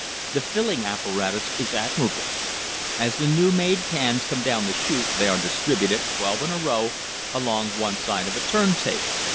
The filling apparatus is admirable. As the new made cans come down the chute they are distributed, twelve in a row, along one side of a turn table.